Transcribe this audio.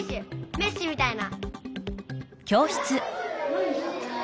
メッシみたいな。